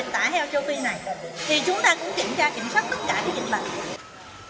thì chúng ta cũng kiểm tra kiểm soát tất cả dịch bệnh